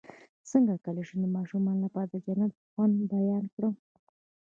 څنګه کولی شم د ماشومانو لپاره د جنت د خوند بیان کړم